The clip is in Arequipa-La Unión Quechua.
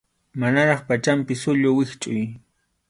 Manaraq pachanpi sullu wischʼuy.